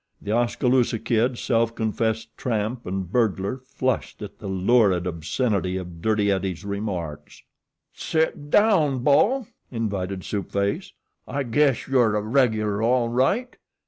The Oskaloosa Kid, self confessed 'tramp' and burglar, flushed at the lurid obscenity of Dirty Eddie's remarks. "Sit down, bo," invited Soup Face. "I guess you're a regular all right.